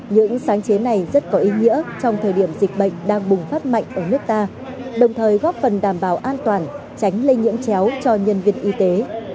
những sáng chế này rất có ý nghĩa trong thời điểm dịch bệnh đang bùng phát mạnh ở nước ta đồng thời góp phần đảm bảo an toàn tránh lây nhiễm chéo cho nhân viên y tế